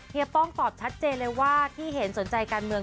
ป้องตอบชัดเจนเลยว่าที่เห็นสนใจการเมือง